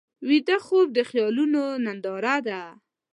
ویده خوب د خیالونو ننداره ده